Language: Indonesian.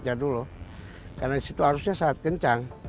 karena situ arusnya sangat kencang